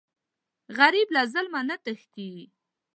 غریب له ظلم نه تښتي